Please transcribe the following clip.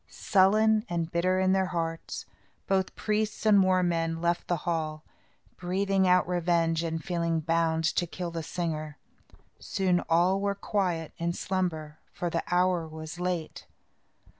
Sullen and bitter in their hearts, both priests and war men left the hall, breathing out revenge and feeling bound to kill the singer. Soon all were quiet in slumber, for the hour was late.